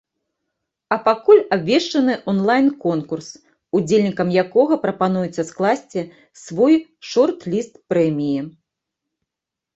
А пакуль абвешчаны онлайн-конкурс, удзельнікам якога прапануецца скласці свой шорт-ліст прэміі.